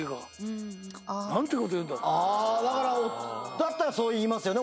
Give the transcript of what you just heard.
だったらそう言いますよね